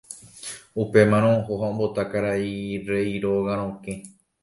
Upémarõ oho ha ombota karai rey róga rokẽ.